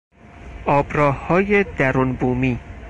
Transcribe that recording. آبراههای درونبومی